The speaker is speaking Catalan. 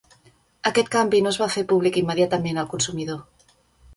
Aquest canvi no es va fer públic immediatament al consumidor.